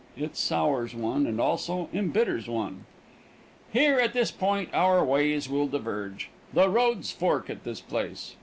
It sours one, and also embitters one. Here at this point our ways will diverge. The roads fork at this place.